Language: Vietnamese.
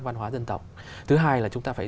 văn hóa dân tộc thứ hai là chúng ta phải